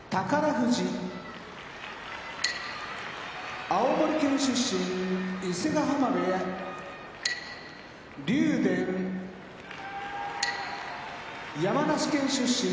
富士青森県出身伊勢ヶ濱部屋竜電山梨県出身